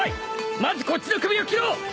まずこっちの首を斬ろう！